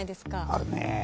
あるねぇ。